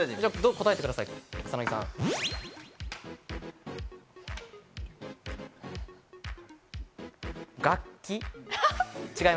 答えてください。